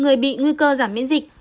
người bị nguy cơ giảm miễn dịch